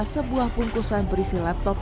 sebuah bungkusan berisi laptop